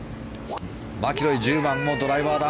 マキロイ１０番もドライバーだ。